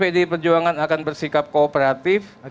pdi perjuangan akan bersikap kooperatif